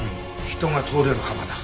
人が通れる幅だ。